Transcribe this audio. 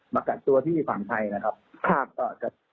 มากัดตัวที่มีฝั่งไทยนะครับภาพก็กัด